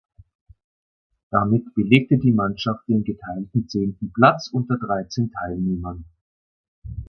Damit belegte die Mannschaft den geteilten zehnten Platz unter dreizehn Teilnehmern.